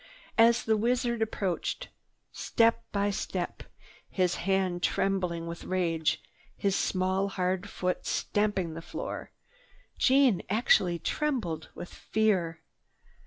As the wizard approaches step by step, his hand trembling with rage, his small hard foot stamping the floor, Jeanne actually trembled with fear.